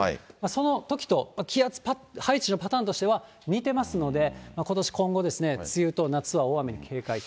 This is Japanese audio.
そのときと気圧配置のパターンとしては似てますので、ことし今後、梅雨と夏は大雨に警戒と。